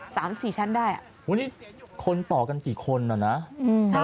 สามสี่ชั้นได้อ่ะวันนี้คนต่อกันกี่คนอ่ะน่ะอืม